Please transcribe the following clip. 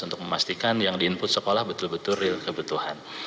untuk memastikan yang di input sekolah betul betul real kebutuhan